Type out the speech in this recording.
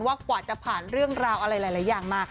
กว่าจะผ่านเรื่องราวอะไรหลายอย่างมา